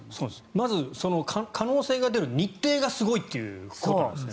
まず、可能性が出る日程がすごいということなんですね。